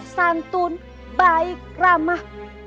santun baik ramah